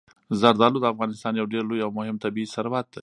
زردالو د افغانستان یو ډېر لوی او مهم طبعي ثروت دی.